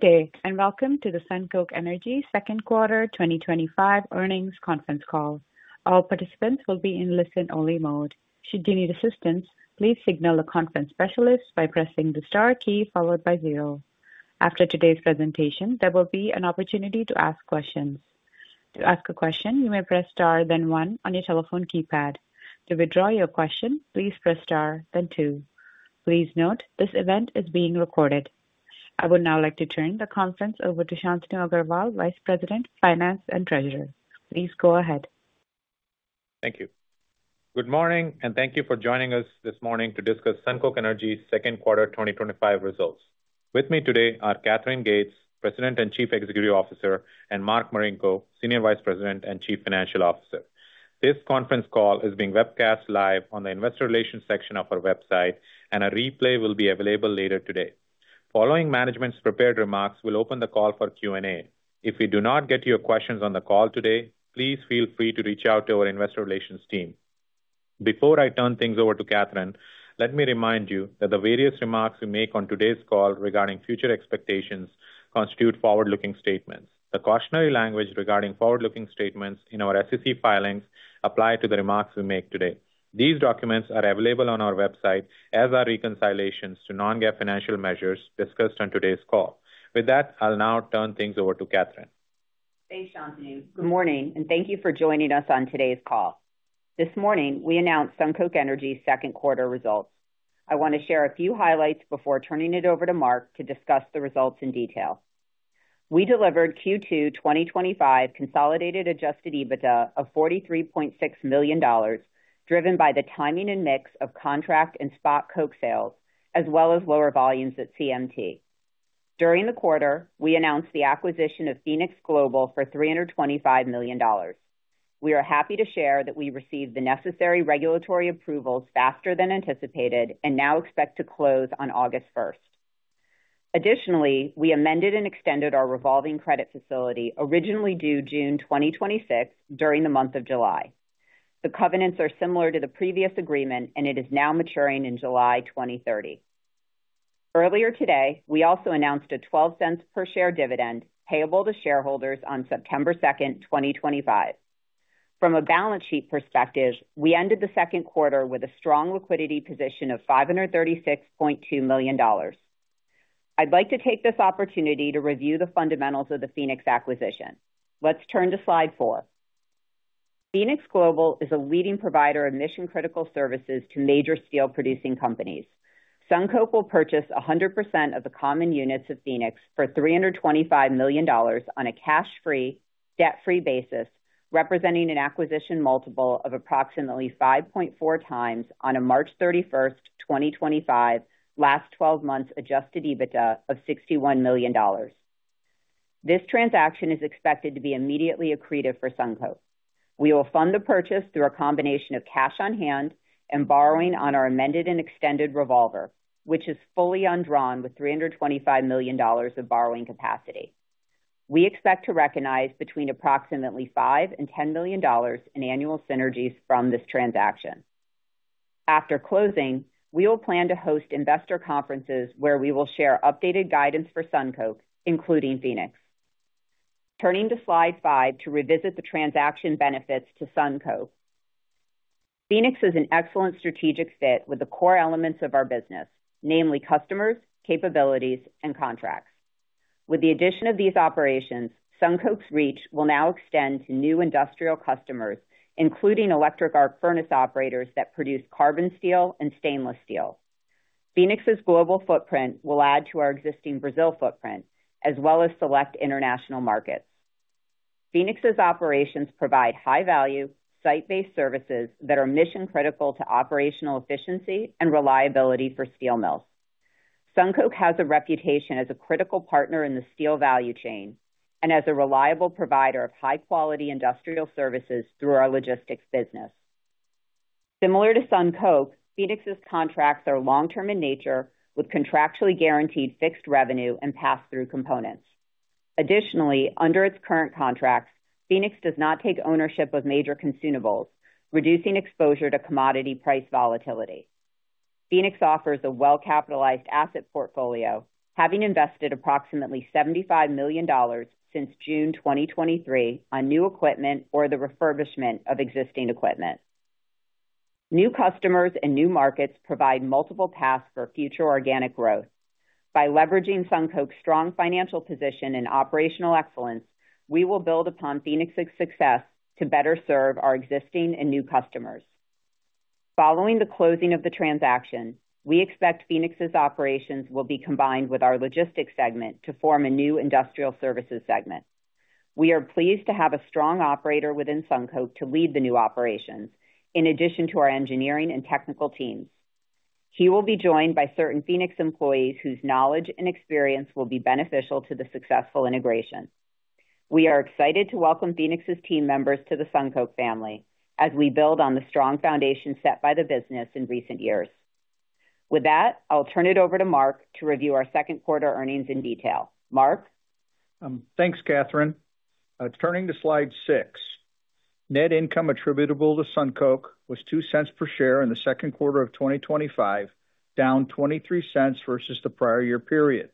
Good day, and welcome to the SunCoke Energy second quarter 2025 earnings conference call. All participants will be in listen-only mode. Should you need assistance, please signal a conference specialist by pressing the star key followed by zero. After today's presentation, there will be an opportunity to ask questions. To ask a question, you may press star, then one on your telephone keypad. To withdraw your question, please press star, then two. Please note this event is being recorded. I would now like to turn the conference over to Shantanu Agrawal, Vice President, Finance and Treasurer. Please go ahead. Thank you. Good morning, and thank you for joining us this morning to discuss SunCoke Energy's second quarter 2025 results. With me today are Katherine Gates, President and Chief Executive Officer, and Mark Marinko, Senior Vice President and Chief Financial Officer. This conference call is being webcast live on the Investor Relations section of our website, and a replay will be available later today. Following management's prepared remarks, we'll open the call for Q&A. If we do not get your questions on the call today, please feel free to reach out to our Investor Relations team. Before I turn things over to Katherine, let me remind you that the various remarks we make on today's call regarding future expectations constitute forward-looking statements. The cautionary language regarding forward-looking statements in our SEC filings applies to the remarks we make today. These documents are available on our website, as are reconciliations to non-GAAP financial measures discussed on today's call. With that, I'll now turn things over to Katherine. Thanks, Shantanu. Good morning, and thank you for joining us on today's call. This morning, we announced SunCoke Energy's second quarter results. I want to share a few highlights before turning it over to Mark to discuss the results in detail. We delivered Q2 2025 consolidated adjusted EBITDA of $43.6 million, driven by the timing and mix of contract and spot coke sales, as well as lower volumes at CMT. During the quarter, we announced the acquisition of Phoenix Global for $325 million. We are happy to share that we received the necessary regulatory approvals faster than anticipated and now expect to close on August 1st. Additionally, we amended and extended our revolving credit facility, originally due June 2026, during the month of July. The covenants are similar to the previous agreement, and it is now maturing in July 2030. Earlier today, we also announced a $0.12 per share dividend payable to shareholders on September 2nd, 2025. From a balance sheet perspective, we ended the second quarter with a strong liquidity position of $536.2 million. I'd like to take this opportunity to review the fundamentals of the Phoenix acquisition. Let's turn to slide four. Phoenix Global is a leading provider of mission-critical industrial services to major steel-producing companies. SunCoke will purchase 100% of the common units at Phoenix for $325 million on a cash-free, debt-free basis, representing an acquisition multiple of approximately 5.4x on a March 31st, 2025, last 12 months adjusted EBITDA of $61 million. This transaction is expected to be immediately accretive for SunCoke. We will fund the purchase through a combination of cash on hand and borrowing on our amended and extended revolver, which is fully undrawn with $325 million of borrowing capacity. We expect to recognize between approximately $5 million and $10 million in annual synergies from this transaction. After closing, we will plan to host investor conferences where we will share updated guidance for SunCoke, including Phoenix. Turning to slide five to revisit the transaction benefits to SunCoke. Phoenix is an excellent strategic fit with the core elements of our business, namely customers, capabilities, and contracts. With the addition of these operations, SunCoke's reach will now extend to new industrial customers, including electric arc furnace operators that produce carbon steel and stainless steel. Phoenix's Global footprint will add to our existing Brazil footprint, as well as select international markets. Phoenix's operations provide high-value, site-based services that are mission-critical to operational efficiency and reliability for steel mills. SunCoke has a reputation as a critical partner in the steel value chain and as a reliable provider of high-quality industrial services through our logistics business. Similar to SunCoke, Phoenix's contracts are long-term in nature, with contractually guaranteed fixed revenue and pass-through components. Additionally, under its current contracts, Phoenix does not take ownership of major consumables, reducing exposure to commodity price volatility. Phoenix offers a well-capitalized asset portfolio, having invested approximately $75 million since June 2023 on new equipment or the refurbishment of existing equipment. New customers and new markets provide multiple paths for future organic growth. By leveraging SunCoke's strong financial position and operational excellence, we will build upon Phoenix's success to better serve our existing and new customers. Following the closing of the transaction, we expect Phoenix's operations will be combined with our logistics segment to form a new industrial services segment. We are pleased to have a strong operator within SunCoke to lead the new operations, in addition to our engineering and technical team. He will be joined by certain Phoenix employees whose knowledge and experience will be beneficial to the successful integration. We are excited to welcome Phoenix's team members to the SunCoke family as we build on the strong foundation set by the business in recent years. With that, I'll turn it over to Mark to review our second quarter earnings in detail. Mark? Thanks, Katherine. Turning to slide six, net income attributable to SunCoke was $0.02 per share in the second quarter of 2025, down $0.23 versus the prior year period.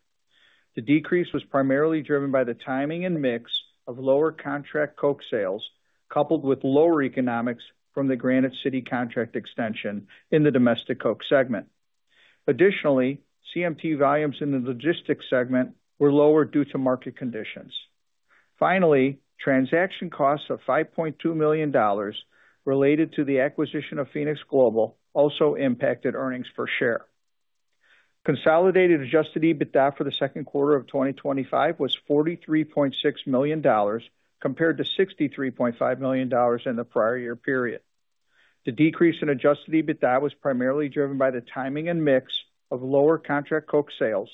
The decrease was primarily driven by the timing and mix of lower contract coke sales, coupled with lower economics from the Granite City contract extension in the domestic coke segment. Additionally, CMT volumes in the logistics segment were lower due to market conditions. Finally, transaction costs of $5.2 million related to the acquisition of Phoenix Global also impacted earnings per share. Consolidated adjusted EBITDA for the second quarter of 2025 was $43.6 million compared to $63.5 million in the prior year period. The decrease in adjusted EBITDA was primarily driven by the timing and mix of lower contract coke sales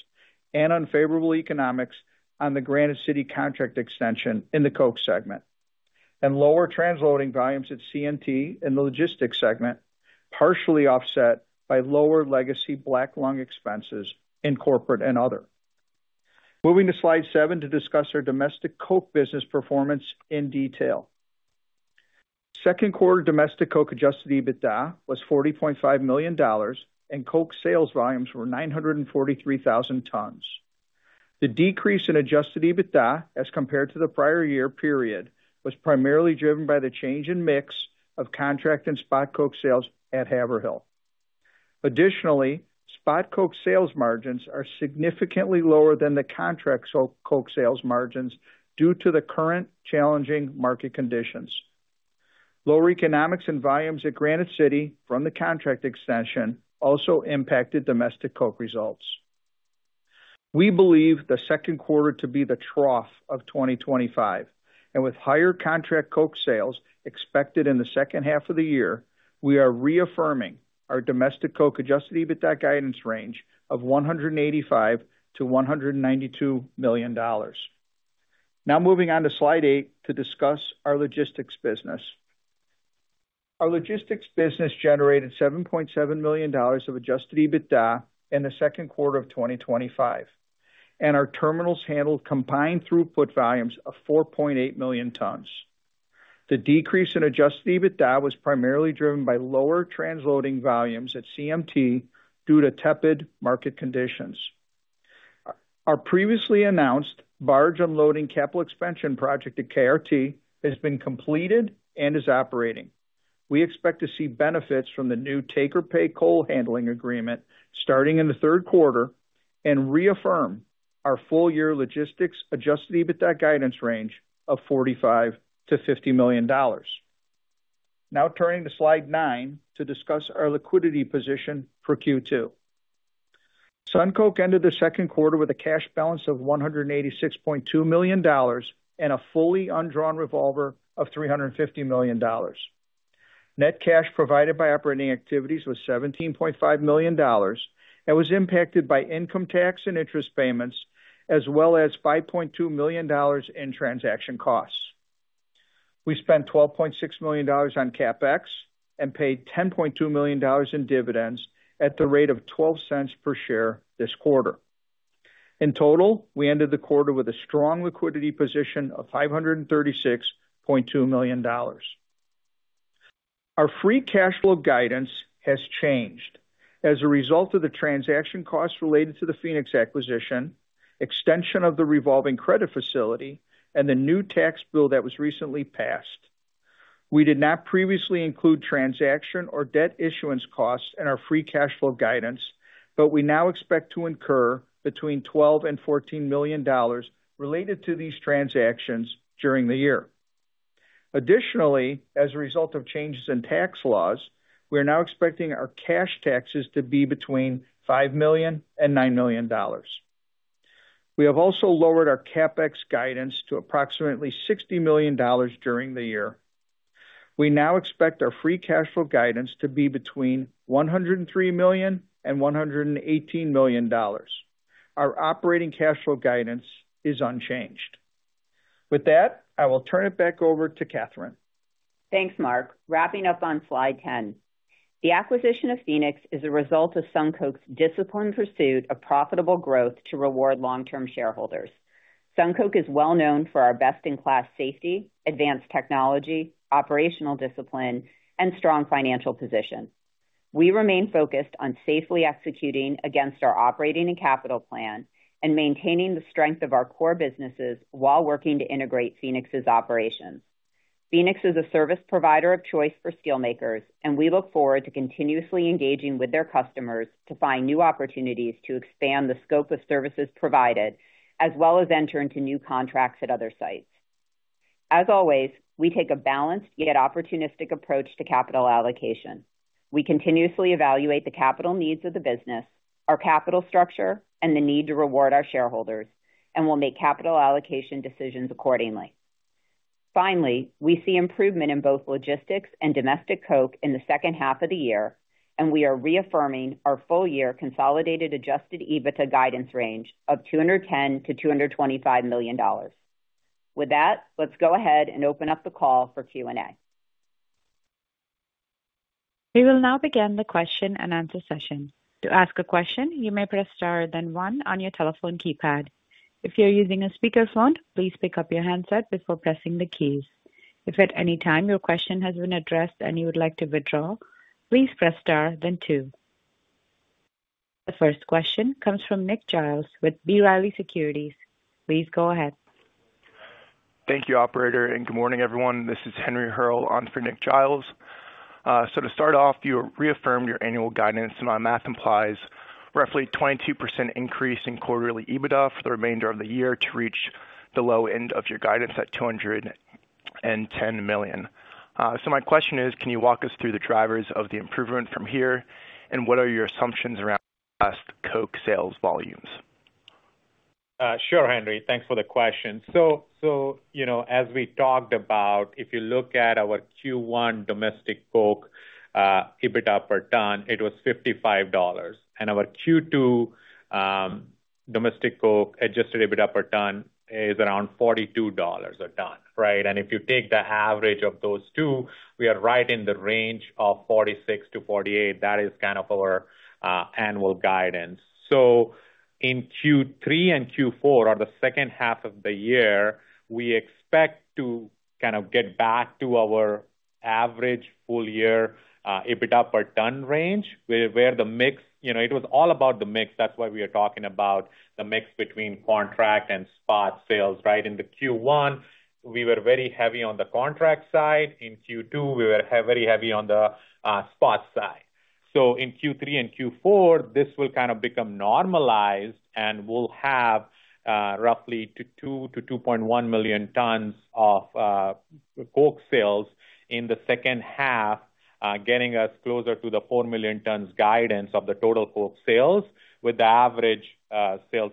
and unfavorable economics on the Granite City contract extension in the coke segment, and lower transloading volumes at CMT in the logistics segment, partially offset by lower legacy black lung expenses in corporate and other. Moving to slide seven to discuss our domestic coke business performance in detail. Second quarter domestic coke adjusted EBITDA was $40.5 million, and coke sales volumes were 943,000 tons. The decrease in adjusted EBITDA as compared to the prior year period was primarily driven by the change in mix of contract and spot coke sales at Haverhill. Additionally, spot coke sales margins are significantly lower than the contract coke sales margins due to the current challenging market conditions. Lower economics and volumes at Granite City from the contract extension also impacted domestic coke results. We believe the second quarter to be the trough of 2025, and with higher contract coke sales expected in the second half of the year, we are reaffirming our domestic coke adjusted EBITDA guidance range of $185-$192 million. Now moving on to slide eight to discuss our logistics business. Our logistics business generated $7.7 million of adjusted EBITDA in the second quarter of 2025, and our terminals handled combined throughput volumes of 4.8 million tons. The decrease in adjusted EBITDA was primarily driven by lower transloading volumes at CMT due to tepid market conditions. Our previously announced barge unloading capital expansion project at KRT has been completed and is operating. We expect to see benefits from the new taker pay coal handling agreement starting in the third quarter and reaffirm our full-year logistics adjusted EBITDA guidance range of $45-$50 million. Now turning to slide nine to discuss our liquidity position for Q2. SunCoke ended the second quarter with a cash balance of $186.2 million and a fully undrawn revolver of $350 million. Net cash provided by operating activities was $17.5 million and was impacted by income tax and interest payments, as well as $5.2 million in transaction costs. We spent $12.6 million on CapEx and paid $10.2 million in dividends at the rate of $0.12 per share this quarter. In total, we ended the quarter with a strong liquidity position of $536.2 million. Our free cash flow guidance has changed as a result of the transaction costs related to the Phoenix acquisition, extension of the revolving credit facility, and the new tax bill that was recently passed. We did not previously include transaction or debt issuance costs in our free cash flow guidance, but we now expect to incur between $12 and $14 million related to these transactions during the year. Additionally, as a result of changes in tax laws, we are now expecting our cash taxes to be between $5 million and $9 million. We have also lowered our CapEx guidance to approximately $60 million during the year. We now expect our free cash flow guidance to be between $103 million and $118 million. Our operating cash flow guidance is unchanged. With that, I will turn it back over to Katherine. Thanks, Mark. Wrapping up on slide ten. The acquisition of Phoenix is a result of SunCoke's disciplined pursuit of profitable growth to reward long-term shareholders. SunCoke is well known for our best-in-class safety, advanced technology, operational discipline, and strong financial position. We remain focused on safely executing against our operating and capital plan and maintaining the strength of our core businesses while working to integrate Phoenix's operations. Phoenix is a service provider of choice for steelmakers, and we look forward to continuously engaging with their customers to find new opportunities to expand the scope of services provided, as well as enter into new contracts at other sites. As always, we take a balanced yet opportunistic approach to capital allocation. We continuously evaluate the capital needs of the business, our capital structure, and the need to reward our shareholders, and will make capital allocation decisions accordingly. Finally, we see improvement in both logistics and domestic coke in the second half of the year, and we are reaffirming our full-year consolidated adjusted EBITDA guidance range of $210-$225 million. With that, let's go ahead and open up the call for Q&A. We will now begin the question and answer session. To ask a question, you may press star, then one on your telephone keypad. If you're using a speakerphone, please pick up your handset before pressing the keys. If at any time your question has been addressed and you would like to withdraw, please press star, then two. The first question comes from Nick Giles with B. Riley Securities. Please go ahead. Thank you, Operator, and good morning, everyone. This is Henry Hearle on for Nick Giles. To start off, you reaffirmed your annual guidance, and my math implies roughly a 22% increase in quarterly EBITDA for the remainder of the year to reach the low end of your guidance at $210 million. My question is, can you walk us through the drivers of the improvement from here, and what are your assumptions around past coke sales volumes? Sure, Henry. Thanks for the question. As we talked about, if you look at our Q1 domestic coke EBITDA per ton, it was $55, and our Q2 domestic coke adjusted EBITDA per ton is around $42 a ton, right? If you take the average of those two, we are right in the range of $46-$48. That is kind of our annual guidance. In Q3 and Q4, or the second half of the year, we expect to get back to our average full-year EBITDA per ton range, where the mix, you know, it was all about the mix. That's why we are talking about the mix between contract and spot sales, right? In Q1, we were very heavy on the contract side. In Q2, we were very heavy on the spot side. In Q3 and Q4, this will become normalized, and we'll have roughly 2-2.1 million tons of coke sales in the second half, getting us closer to the 4 million tons guidance of the total coke sales with the average adjusted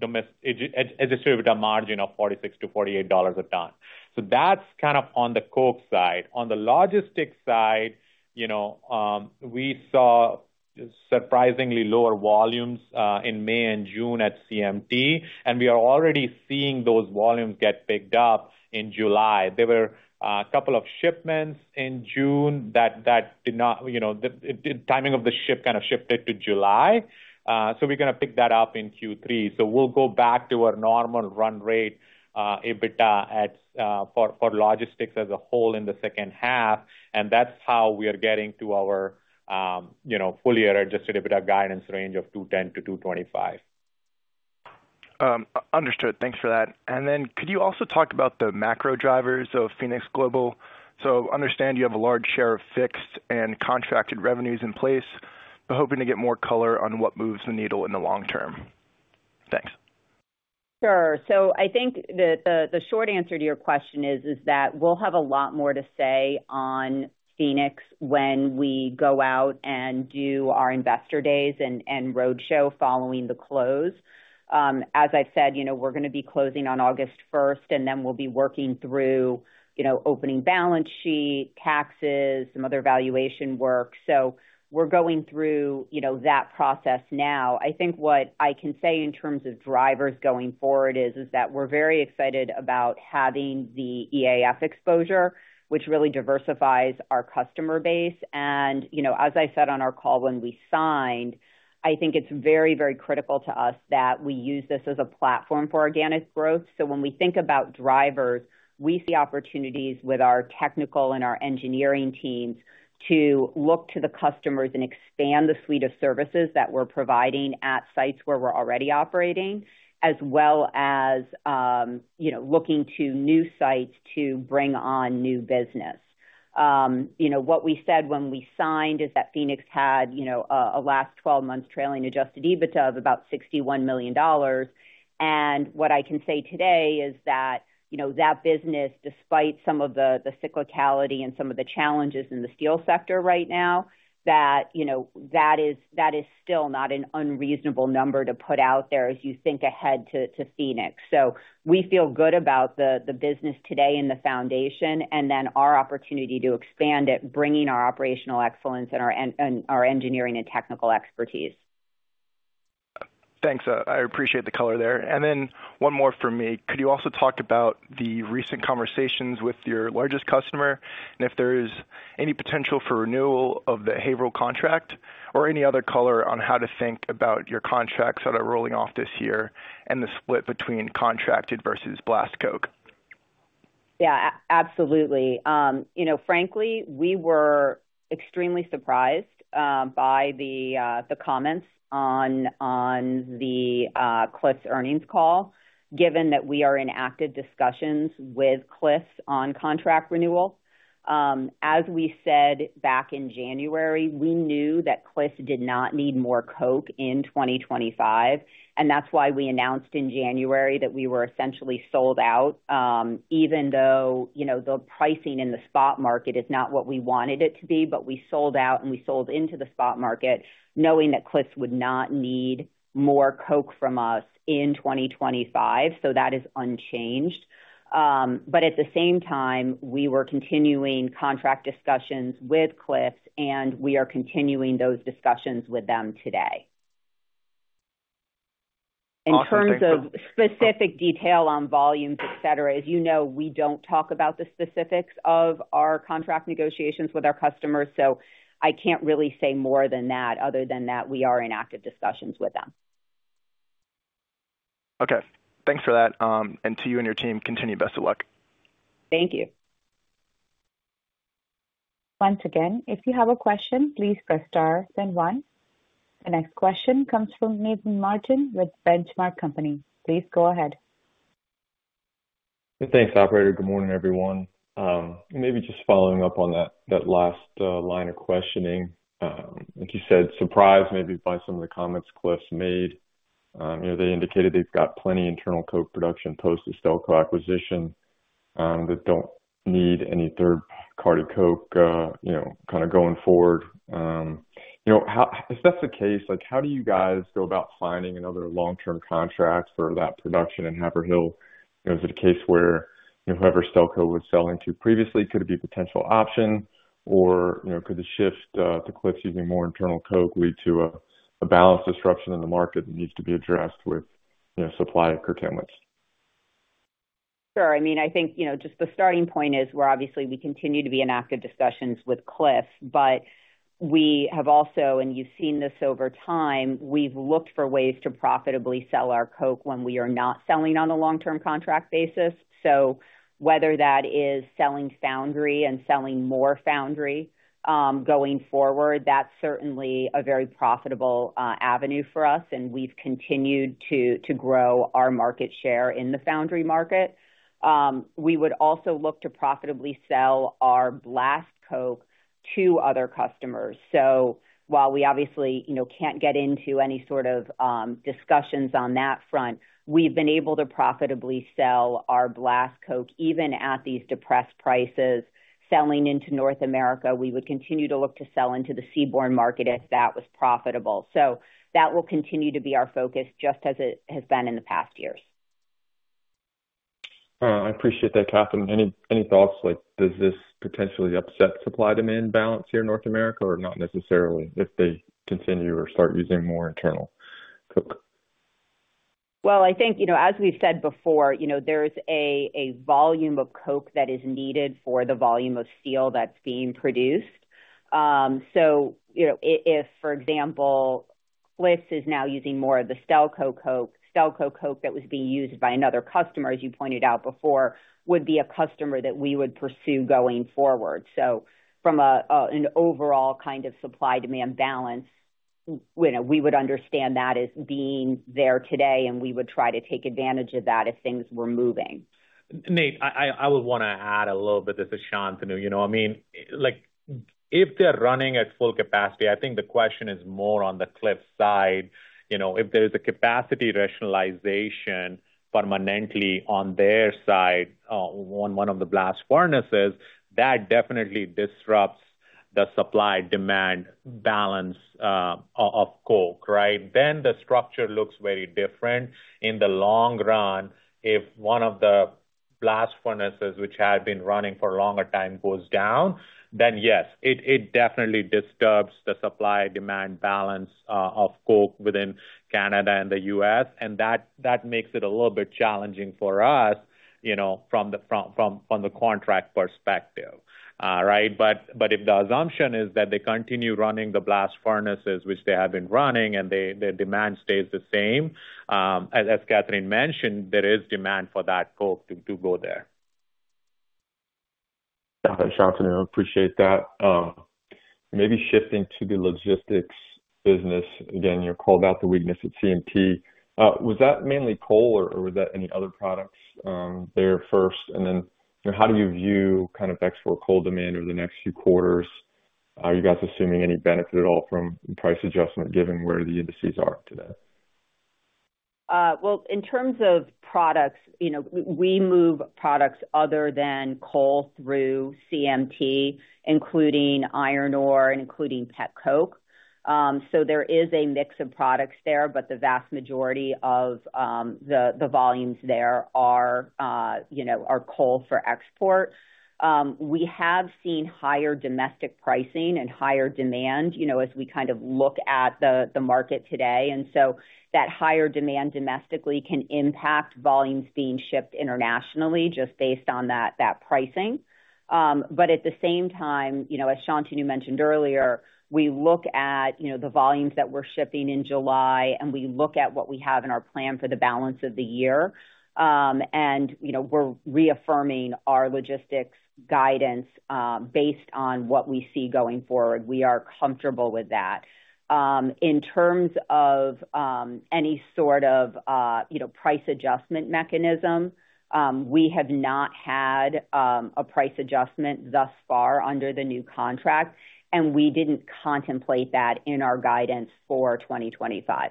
EBITDA margin of $46-$48 a ton. That's on the coke side. On the logistics side, we saw surprisingly lower volumes in May and June at CMT, and we are already seeing those volumes get picked up in July. There were a couple of shipments in June that did not, you know, the timing of the ship shifted to July. We're going to pick that up in Q3. We'll go back to our normal run rate EBITDA for logistics as a whole in the second half, and that's how we are getting to our full-year adjusted EBITDA guidance range of $210-$225. Understood. Thanks for that. Could you also talk about the macro drivers of Phoenix Global? I understand you have a large share of fixed and contracted revenues in place, but hoping to get more color on what moves the needle in the long term. Thanks. Sure. I think that the short answer to your question is that we'll have a lot more to say on Phoenix when we go out and do our investor days and roadshow following the close. As I've said, we're going to be closing on August 1st, and then we'll be working through opening balance sheet, taxes, some other valuation work. We're going through that process now. I think what I can say in terms of drivers going forward is that we're very excited about having the EAF exposure, which really diversifies our customer base. As I said on our call when we signed, I think it's very, very critical to us that we use this as a platform for organic growth. When we think about drivers, we see opportunities with our technical and our engineering teams to look to the customers and expand the suite of services that we're providing at sites where we're already operating, as well as looking to new sites to bring on new business. What we said when we signed is that Phoenix had a last 12 months trailing adjusted EBITDA of about $61 million. What I can say today is that, despite some of the cyclicality and some of the challenges in the steel sector right now, that is still not an unreasonable number to put out there as you think ahead to Phoenix. We feel good about the business today in the foundation and then our opportunity to expand it, bringing our operational excellence and our engineering and technical expertise. Thanks. I appreciate the color there. Could you also talk about the recent conversations with your largest customer and if there is any potential for renewal of the Haverhill contract or any other color on how to think about your contracts that are rolling off this year and the split between contracted versus blast coke? Yeah, absolutely. Frankly, we were extremely surprised by the comments on the Cleveland-Cliffs earnings call, given that we are in active discussions with Cliffs on contract renewal. As we said back in January, we knew that Cliffs did not need more coke in 2025. That's why we announced in January that we were essentially sold out, even though the pricing in the spot market is not what we wanted it to be, but we sold out and we sold into the spot market knowing that Cliffs would not need more coke from us in 2025. That is unchanged. At the same time, we were continuing contract discussions with Cliffs, and we are continuing those discussions with them today. In terms of specific detail on volumes, et cetera, as you know, we don't talk about the specifics of our contract negotiations with our customers. I can't really say more than that, other than that we are in active discussions with them. Okay, thanks for that. To you and your team, continue best of luck. Thank you. Once again, if you have a question, please press star, then one. The next question comes from Nathan Martin with Benchmark Company. Please go ahead. Thanks, Operator. Good morning, everyone. Maybe just following up on that last line of questioning. Like you said, surprised maybe by some of the comments Cliffs made. They indicated they've got plenty of internal coke production post the Stelco acquisition and don't need any third-party coke going forward. If that's the case, how do you guys go about finding another long-term contract for that production in Haverhill? Is it a case where whoever Stelco was selling to previously could be a potential option? Could the shift to Cliffs using more internal coke lead to a balance disruption in the market that needs to be addressed with supply of coke? Sure. I mean, I think just the starting point is we're obviously, we continue to be in active discussions with Cliffs, but we have also, and you've seen this over time, we've looked for ways to profitably sell our coke when we are not selling on a long-term contract basis. Whether that is selling foundry and selling more foundry going forward, that's certainly a very profitable avenue for us, and we've continued to grow our market share in the foundry market. We would also look to profitably sell our blast coke to other customers. While we obviously can't get into any sort of discussions on that front, we've been able to profitably sell our blast coke even at these depressed prices. Selling into North America, we would continue to look to sell into the seaborne market if that was profitable. That will continue to be our focus just as it has been in the past years. I appreciate that, Katherine. Any thoughts, like does this potentially upset supply-demand balance here in North America, or not necessarily if they continue or start using more internal coke? I think, as we've said before, there's a volume of coke that is needed for the volume of steel that's being produced. For example, if Cliffs is now using more of the Stelco coke, Stelco coke that was being used by another customer, as you pointed out before, would be a customer that we would pursue going forward. From an overall kind of supply-demand balance, we would understand that as being there today, and we would try to take advantage of that if things were moving. Nate, I would want to add a little bit of this to Shantanu. If they're running at full capacity, I think the question is more on the Cliffs side. If there's a capacity rationalization permanently on their side, on one of the blast furnaces, that definitely disrupts the supply-demand balance of coke, right? The structure looks very different in the long run. If one of the blast furnaces, which had been running for a longer time, goes down, yes, it definitely disturbs the supply-demand balance of coke within Canada and the U.S. That makes it a little bit challenging for us from the contract perspective, right? If the assumption is that they continue running the blast furnaces, which they have been running, and their demand stays the same, as Katherine mentioned, there is demand for that coke to go there. Shantanu, I appreciate that. Maybe shifting to the logistics business, again, you called out the weakness at CMT. Was that mainly coal, or was that any other products there first? You know, how do you view kind of export coal demand over the next few quarters? Are you guys assuming any benefit at all from price adjustment given where the indices are today? In terms of products, you know, we move products other than coal through CMT, including iron ore and including pet coke. There is a mix of products there, but the vast majority of the volumes there are, you know, coal for export. We have seen higher domestic pricing and higher demand, you know, as we kind of look at the market today. That higher demand domestically can impact volumes being shipped internationally just based on that pricing. At the same time, you know, as Shantanu mentioned earlier, we look at, you know, the volumes that we're shipping in July, and we look at what we have in our plan for the balance of the year. We're reaffirming our logistics guidance based on what we see going forward. We are comfortable with that. In terms of any sort of, you know, price adjustment mechanism, we have not had a price adjustment thus far under the new contract, and we didn't contemplate that in our guidance for 2025.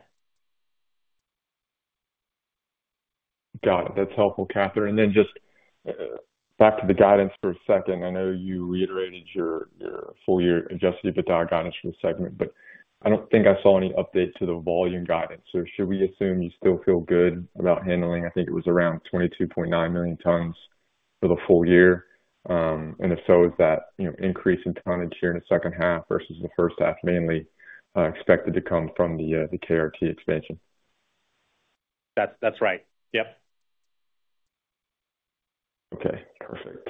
Got it. That's helpful, Katherine. Just back to the guidance for a second. I know you reiterated your full-year adjusted EBITDA guidance for the segment, but I don't think I saw any update to the volume guidance. Should we assume you still feel good about handling, I think it was around 22.9 million tons for the full year? If so, is that increase in tonnage here in the second half versus the first half mainly expected to come from the KRT expansion? That's right, yeah. Okay. Perfect.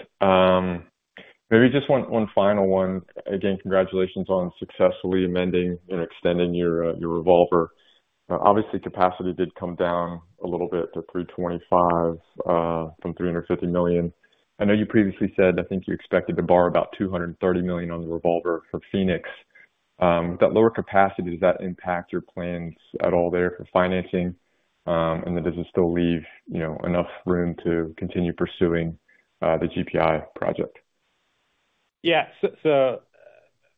Maybe just one final one. Again, congratulations on successfully amending and extending your revolver. Obviously, capacity did come down a little bit to $325 million from $350 million. I know you previously said, I think you expected to borrow about $230 million on the revolver for Phoenix. With that lower capacity, does that impact your plans at all there for financing? Does it still leave enough room to continue pursuing the GPI project? Yeah.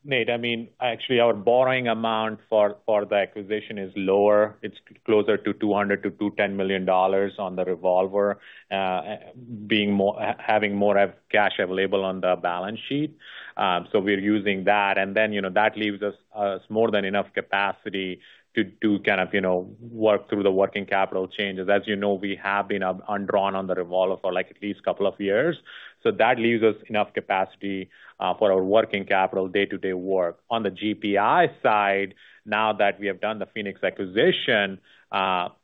Nate, I mean, actually, our borrowing amount for the acquisition is lower. It's closer to $200-$210 million on the revolver, having more cash available on the balance sheet. We're using that. That leaves us more than enough capacity to kind of work through the working capital changes. As you know, we have been undrawn on the revolver for at least a couple of years. That leaves us enough capacity for our working capital day-to-day work. On the GPI side, now that we have done the Phoenix acquisition,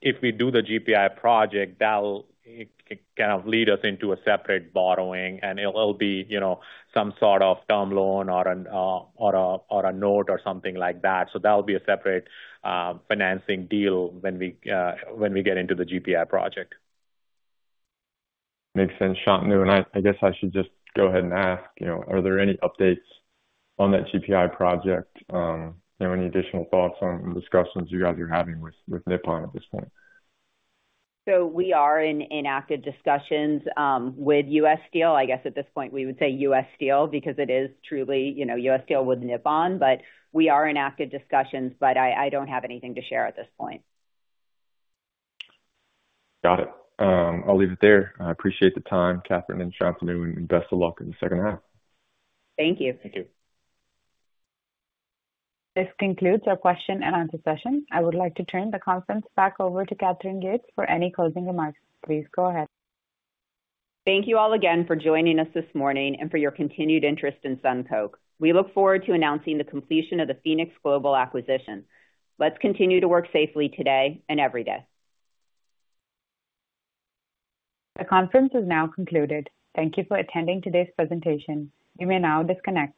if we do the GPI project, that'll kind of lead us into a separate borrowing, and it'll be some sort of term loan or a note or something like that. That'll be a separate financing deal when we get into the GPI project. Makes sense, Shantanu. I guess I should just go ahead and ask, you know, are there any updates on that GPI project? You know, any additional thoughts on discussions you guys are having with Nippon at this point? We are in active discussions with U.S. Steel. At this point, we would say U.S. Steel because it is truly, you know, U.S. Steel with Nippon. We are in active discussions, but I don't have anything to share at this point. Got it. I'll leave it there. I appreciate the time, Katherine and Shantanu, and best of luck in the second half. Thank you. Thank you. This concludes our question and answer session. I would like to turn the conference back over to Katherine Gates for any closing remarks. Please go ahead. Thank you all again for joining us this morning and for your continued interest in SunCoke. We look forward to announcing the completion of the Phoenix Global acquisition. Let's continue to work safely today and every day. The conference is now concluded. Thank you for attending today's presentation. You may now disconnect.